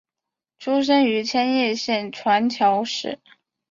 出身于千叶县船桥市。